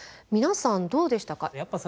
皆さんどうでしたか？